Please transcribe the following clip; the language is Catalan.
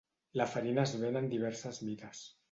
La farina es ven en diverses mides.